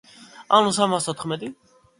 ანუ სამას თოთხმეტი.